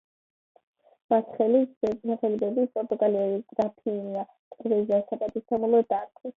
მას სახელი ბებიის, პორტუგალიის გრაფინია ტერეზას პატივსაცემად დაარქვეს.